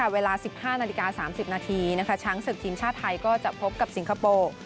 เวลา๑๕นาฬิกา๓๐นาทีช้างศึกทีมชาติไทยก็จะพบกับสิงคโปร์